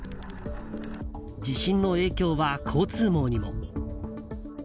地震の影響は交通網にも。